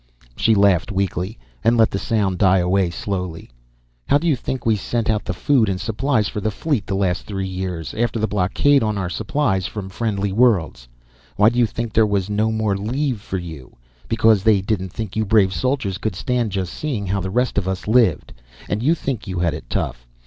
She laughed weakly, and let the sound die away slowly. "How do you think we sent out the food and supplies for the fleet the last three years, after the blockade on our supplies from friendly worlds? Why do you think there was no more leave for you? Because they didn't think you brave soldiers could stand just seeing how the rest of us lived! And you think you had it tough!